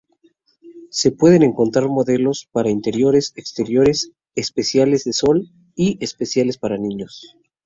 Se pueden encontrar modelos para interiores, exteriores, especiales de sol, y especiales para niños.